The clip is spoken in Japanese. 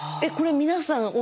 これ皆さん